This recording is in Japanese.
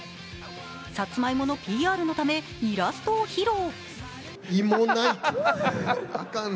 さつまいものＰＲのためイラストを披露。